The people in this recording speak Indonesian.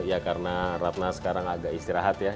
ya karena ratna sekarang agak istirahat ya